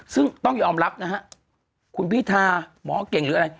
ซึ่งต้องยอมรับนะฮะคุณพิธาหมอเก่งหรืออะไร